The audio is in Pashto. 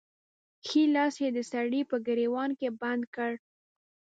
ښی لاس يې د سړي په ګرېوان کې بند کړ.